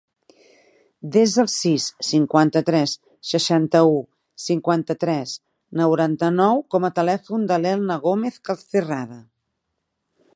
Desa el sis, cinquanta-tres, seixanta-u, cinquanta-tres, noranta-nou com a telèfon de l'Elna Gomez Calcerrada.